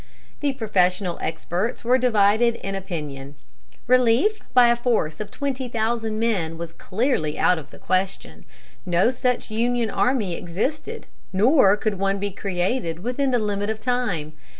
The professional experts were divided in opinion. Relief by a force of twenty thousand men was clearly out of the question. No such Union army existed, nor could one be created within the limit of time.